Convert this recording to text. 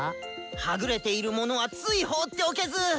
はぐれている者はつい放っておけず！